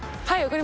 はい。